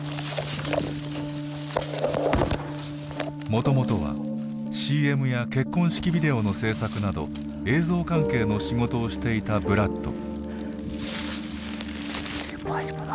もともとはＣＭや結婚式ビデオの制作など映像関係の仕事をしていたブラッド。